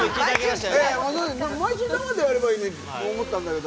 毎週生でやればいいのにって思ったんだけど。